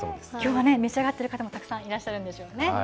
きょうはね、召し上がってる方もたくさんいらっしゃるんでしょうね。